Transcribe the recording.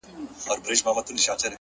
هره تجربه د ژوند نوې پوهه زیاتوي